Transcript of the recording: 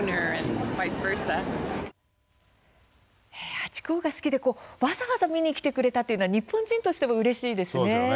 ハチ公が好きでわざわざ見に来てくれたというのは日本人としてもうれしいですね。